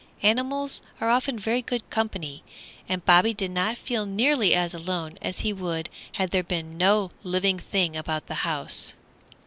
Animals are often very good company, and Bobby did not feel nearly as lonely as he would had there been no living thing about the house.